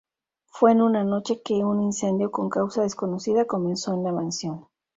Fue en una noche que un incendio con causa desconocida comenzó en la mansión.